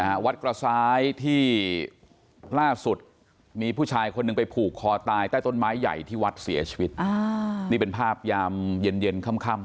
จะพาท่านผู้ชมไปวัดกระซ้ายหน่อย